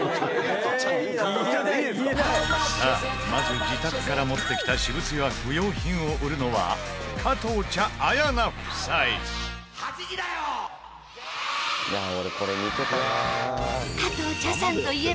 さあ、まず自宅から持ってきた私物や不要品を売るのは加藤茶、綾菜夫妻いやりや：